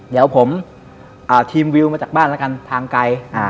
เดี๋ยวผมทีมวิวมาจากบ้านแล้วกันทางไกล